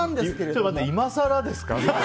ちょっと待って、今更ですか？